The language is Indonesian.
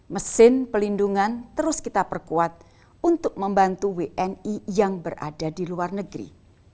mesin pelindungan terus kita perkuat untuk membantu wni yang berada di luar negeri